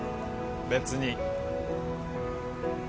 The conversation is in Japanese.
別に。